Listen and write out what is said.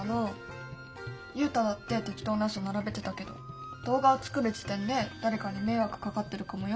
ユウタだって適当なうそ並べてたけど動画を作る時点で誰かに迷惑かかってるかもよ？